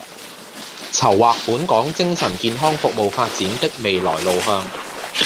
籌劃本港精神健康服務發展的未來路向